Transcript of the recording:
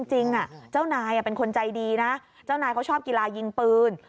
เจ้านายเป็นคนใจดีนะเจ้านายเขาชอบกีฬายิงปืน